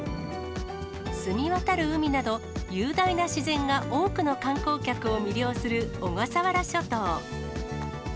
澄み渡る海など、雄大な自然が多くの観光客を魅了する小笠原諸島。